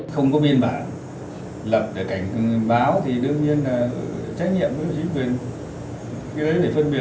không có biên bản lập để cảnh báo thì đương nhiên là trách nhiệm với chính quyền